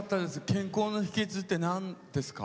健康の秘けつってなんですか？